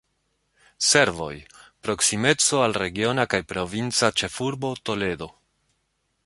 Servoj: proksimeco al regiona kaj provinca ĉefurbo Toledo.